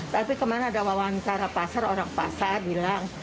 tapi kemarin ada wawancara pasar orang pasar bilang